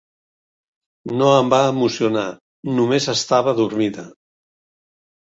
No em va emocionar, només estava adormida.